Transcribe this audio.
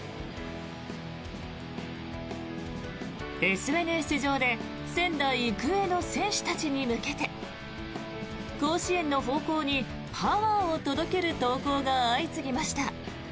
ＳＮＳ上で仙台育英の選手たちに向けて甲子園の方向にパワーを届ける投稿が相次ぎました。